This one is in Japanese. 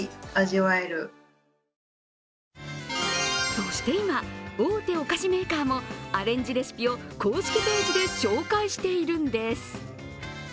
そして今、大手お菓子メーカーもアレンジレシピを公式ページで紹介しているんです。